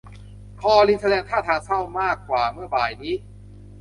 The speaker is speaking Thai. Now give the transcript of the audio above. คอลินแสดงท่าทางเศร้ามากกว่าเมื่อบ่ายนี้